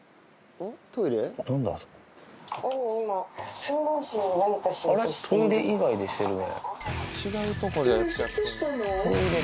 トイレ以外でしてるね。